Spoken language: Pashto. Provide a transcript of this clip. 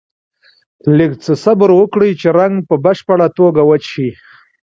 لږ څه صبر وکړئ چې رنګ په بشپړه توګه وچ شي.